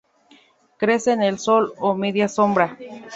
Crece en el sol o media sombra.